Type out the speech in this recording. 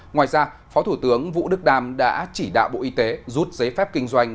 ngoài ra phó thủ tướng vũ đức đam đã chỉ đạo bộ y tế rút giấy phép kinh doanh